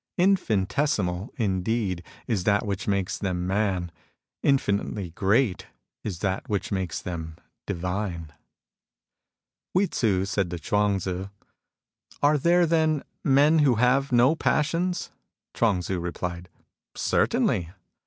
Infinitesimal, indeed, is that which makes them man ; infinitely great is that which makes them divine ! Hui Tzu said to Chuang Tzu : "Are there, then, men who have no passions ?" Chuang Tzii replied :" Certainly."